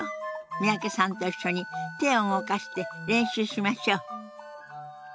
三宅さんと一緒に手を動かして練習しましょう。